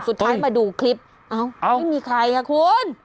สุดท้ายมาดูคลิปเอ้าไม่มีใครค่ะคุณ